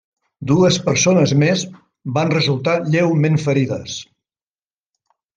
Dues persones més van resultar lleument ferides.